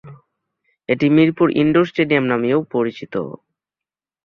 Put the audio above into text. এটি Mirpur indoor stadium নামেও পরিচিত।